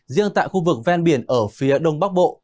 riêng tại khu vực ven biển ở phía đông bắc bộ